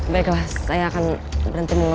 baiklah saya akan berhenti dulu